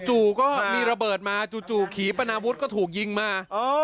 ก็มีระเบิดมาจู่ขี่ปนาวุฒิก็ถูกยิงมา